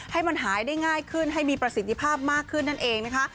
ให้มันหายได้ง่ายขึ้นให้มีประสิทธิภาพมากขึ้นนั่นเองนะคะ